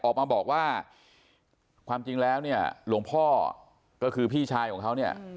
ออกมาบอกว่าความจริงแล้วเนี่ยหลวงพ่อก็คือพี่ชายของเขาเนี่ย